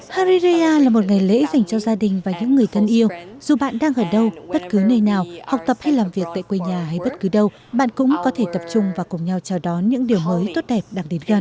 harireya là một ngày lễ dành cho gia đình và những người thân yêu dù bạn đang ở đâu bất cứ nơi nào học tập hay làm việc tại quê nhà hay bất cứ đâu bạn cũng có thể tập trung và cùng nhau chào đón những điều mới tốt đẹp đang đến gần